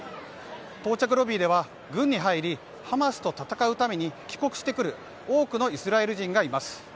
到着ロビーでは軍に入り、ハマスと戦うために帰国してくる多くのイスラエル人がいます。